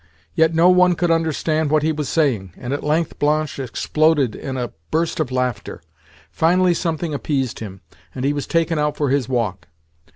Yet no one could understand what he was saying, and at length Blanche exploded in a burst of laughter. Finally something appeased him, and he was taken out for his walk.